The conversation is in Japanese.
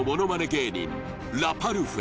芸人ラパルフェ